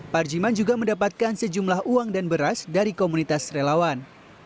parjiman juga mendapatkan sejumlah uang dan beras dari komunitas relawan